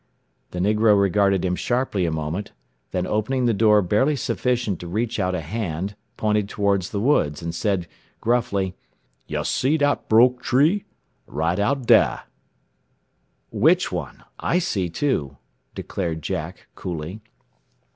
The negro regarded him sharply a moment, then opening the door barely sufficient to reach out a hand, pointed toward the woods, and said gruffly, "Yo' see dat broke tree? Right out dah." "Which one? I see two," declared Jack, coolly.